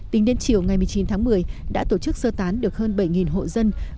tính đến chiều ngày một mươi chín tháng một mươi đã tổ chức sơ tán được hơn bảy hộ dân